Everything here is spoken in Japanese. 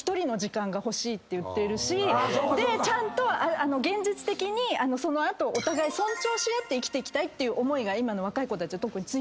ちゃんと現実的にその後お互い尊重し合って生きていきたいっていう思いが今の若い子たちは特に強いので。